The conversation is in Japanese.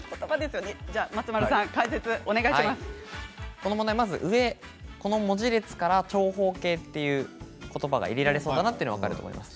この問題まずは上の文字列からちょうほうけいということばが入れられそうだなと分かると思います。